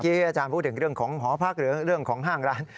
อาจารย์พูดถึงเรื่องของหอพักหรือเรื่องของห้างร้าน